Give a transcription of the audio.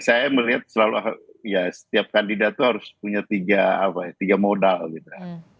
saya melihat selalu ya setiap kandidat itu harus punya tiga modal gitu